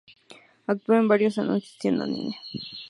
Actuó en varios anuncios siendo niña.